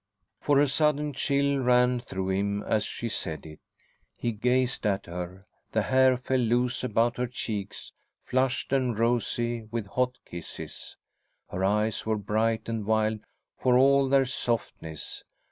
For a sudden chill ran through him as she said it. He gazed at her. The hair fell loose about her cheeks, flushed and rosy with his hot kisses. Her eyes were bright and wild for all their softness.